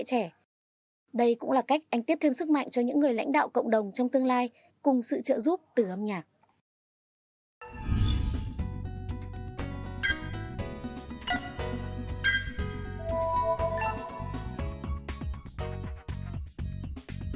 hẹn gặp lại các bạn trong những video tiếp theo